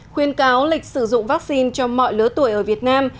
khuyên cáo lịch sử dụng vaccine cho mọi lứa tuổi ở việt nam